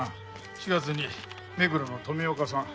４月に目黒の富岡さん。